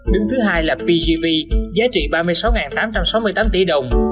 đứng thứ hai là pgv giá trị ba mươi sáu tám trăm năm mươi tỷ đồng